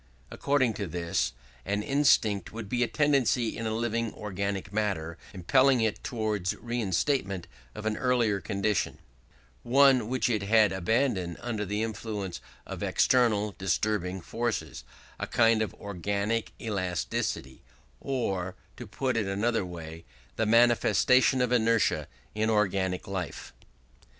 According to this, an instinct would be a tendency in living organic matter impelling it towards reinstatement of an earlier condition, one which it had abandoned under the influence of external disturbing forces a kind of organic elasticity, or, to put it another way, the manifestation of inertia in organic life.